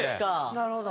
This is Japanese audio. なるほど。